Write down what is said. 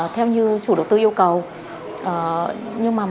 theo như chủ đầu tư yêu cầu